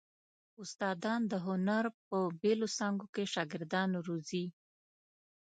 استادان د هنر په بېلو څانګو کې شاګردان روزي.